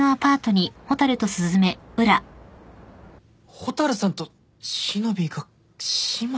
蛍さんとしのびぃが姉妹。